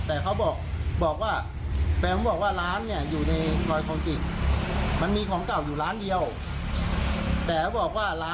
แต่เขาบอกว่า